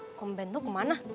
nah om bento kemana